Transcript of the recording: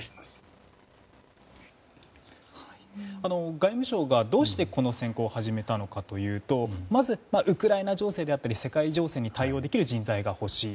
外務省がどうしてこの選考を始めたのかというとまず、ウクライナ情勢や世界情勢に対応できる人材が欲しい。